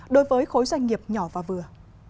đối với khối doanh nghiệp nhỏ và vừa